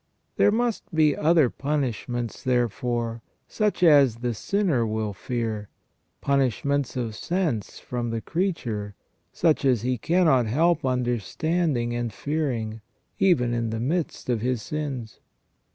There must be other punishments, therefore, such as the sinner will fear, punishments of sense from the creature, such as he cannot help understanding and fearing, even in the midst of his sins.